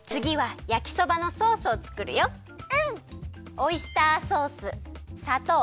オイスターソースさとう